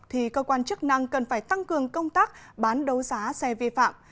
thì cơ quan chức năng cần phải tăng cường công tác bán đấu giá xe vi phạm